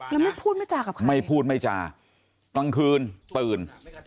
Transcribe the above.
แล้วไม่พูดไม่จากับใครไม่พูดไม่จากลางคืนตื่น